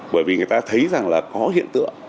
bởi vì người ta thấy rằng là có hiện tượng